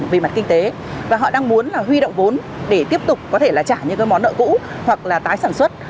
về mặt kinh tế và họ đang muốn là huy động vốn để tiếp tục có thể là trả những món nợ cũ hoặc là tái sản xuất